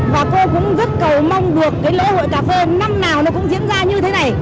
và cô cũng rất cầu mong được lễ hội cà phê năm nào cũng diễn ra như thế này